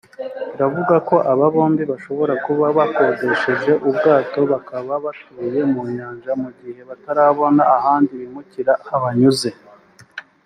Biravugwa ko aba bombi bashobora kuba bakodesheje ubwato bakaba batuye mu Nyanja mu gihe batarabona ahandi bimukira habanyuze